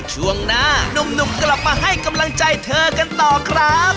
ช่วงหน้านุ่มกลับมาให้กำลังใจเธอกันต่อครับ